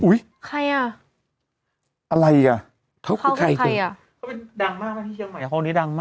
เป็นการกระตุ้นการไหลเวียนของเลือด